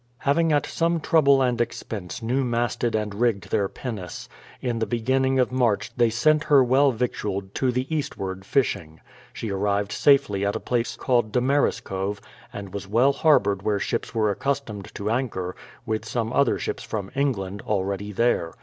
Having at some trouble and expense new masted and rigged their pinnace, in the beginning of March they sent her well victualed to the eastward, fishing. She arrived safely at a place called Damariscove, and was well har boured where ships were accustomed to anchor, with some other ships from England, already there.